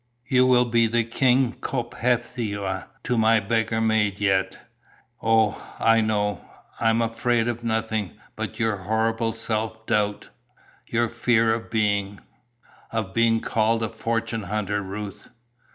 You will be the King Cophetua to my beggar maid yet. Oh, I know. I am afraid of nothing but your horrible self doubt, your fear of being " "Of being called a fortune hunter, Ruth."